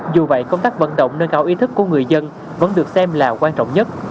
dù vậy công tác vận động nâng cao ý thức của người dân vẫn được xem là quan trọng nhất